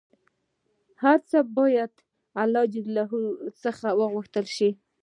هر څه باید د الله ﷻ څخه وغوښتل شي